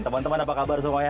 teman teman apa kabar semuanya